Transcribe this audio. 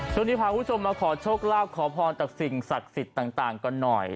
ช่วงนี้พาคุณผู้ชมมาขอโชคลาภขอพรจากสิ่งศักดิ์สิทธิ์ต่างกันหน่อย